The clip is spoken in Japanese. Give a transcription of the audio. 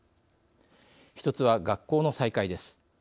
１つは、学校の再開です。